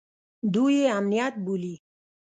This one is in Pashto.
دوى يې امنيت بولي.